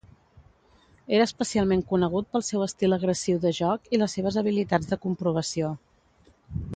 Era especialment conegut pel seu estil agressiu de joc i les seves habilitats de comprovació.